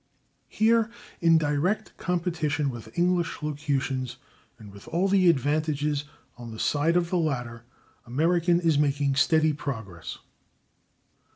Here, in direct competition with English locutions, and with all the advantages on the side of the latter, American is making steady progress.